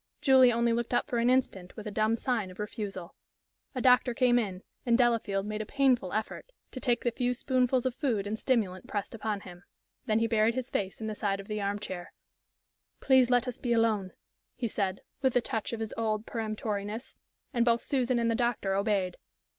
Julie only looked up for an instant with a dumb sign of refusal. A doctor came in, and Delafield made a painful effort to take the few spoonfuls of food and stimulant pressed upon him. Then he buried his face in the side of the arm chair. "Please let us be alone," he said, with a touch of his old peremptoriness, and both Susan and the doctor obeyed.